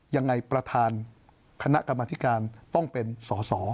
ยังไงประธานคณะกรรมธิการต้องเป็นสอสอ